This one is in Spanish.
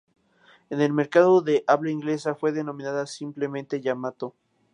En el mercado de habla inglesa fue denominada simplemente "Yamato".